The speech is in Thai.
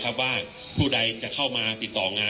คุณผู้ชมไปฟังผู้ว่ารัฐกาลจังหวัดเชียงรายแถลงตอนนี้ค่ะ